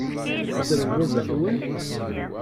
Tettrem baba-twen?